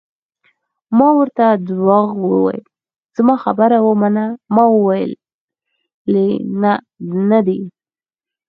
ما ورته درواغ وویل: زما خبره ومنه، ما ویلي نه دي.